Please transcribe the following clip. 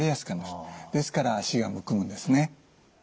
ですから脚がむくむんですね。